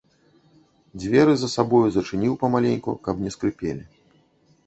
Дзверы за сабою зачыніў памаленьку, каб не скрыпелі.